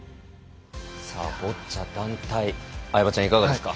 ボッチャ団体相葉ちゃん、いかがですか？